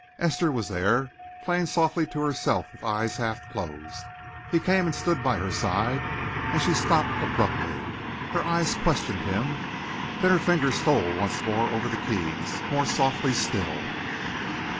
Esther was there, playing softly to herself with eyes half closed. He came and stood by her side, and she stopped abruptly. Her eyes questioned him. Then her fingers stole once more over the keys, more softly still.